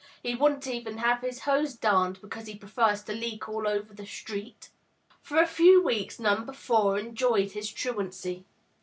He wouldn't even have his hose darned, because he prefers to leak all over the street!" For a few weeks Number Four enjoyed his truancy.